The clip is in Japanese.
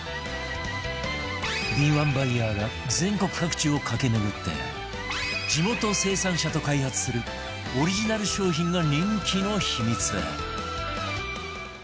敏腕バイヤーが全国各地を駆け巡って地元生産者と開発するオリジナル商品が人気の秘密